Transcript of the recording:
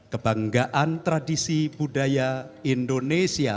kebanggaan tradisi budaya indonesia